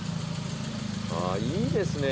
あぁいいですね。